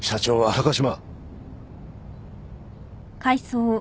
高島。